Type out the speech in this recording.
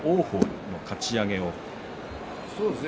そうですね。